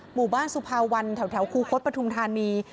หมู่บ้านสุภาวันแถวคูคศปฐุมธานี